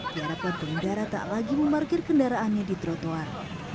diharapkan pengendara tak lagi memarkir kendaraannya di trotoar